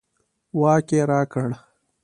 واک یې راکړ.